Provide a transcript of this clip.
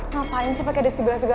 ngapain sih pake desi bella segala